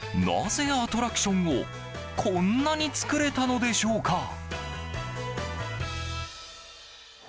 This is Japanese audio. なぜアトラクションをこんなに作れたのでしょうか。